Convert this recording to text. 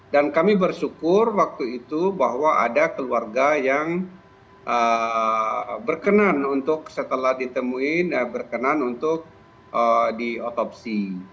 dan kami bersyukur waktu itu bahwa ada keluarga yang berkenan untuk setelah ditemuin berkenan untuk di otopsi